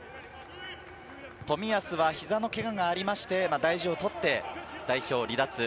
冨安は膝のけががありまして、大事をとって代表離脱。